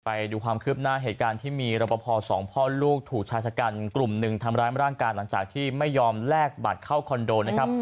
ไปดูความคืบหน้าเหตุการณ์ที่มีรบพอสองพ่อลูกถูกชายชะกันกลุ่มหนึ่งทำร้ายร่างกายหลังจากที่ไม่ยอมแลกบัตรเข้าคอนโดนะครับ